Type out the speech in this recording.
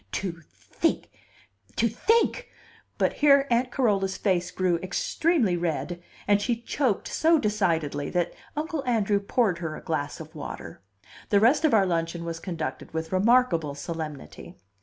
To think to think " But here Aunt Carola's face grew extremely red, and she choked so decidedly that Uncle Andrew poured her a glass of water. The rest of our luncheon was conducted with remarkable solemnity.